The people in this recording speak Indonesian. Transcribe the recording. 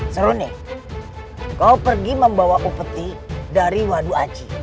seru nih kau pergi membawa upeti dari wadu aji